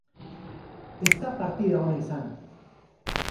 Ez da partida ona izan.